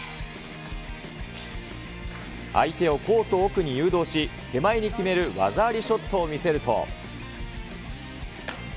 相手をコート奥に誘導し、手前に決める技ありショットを見せると。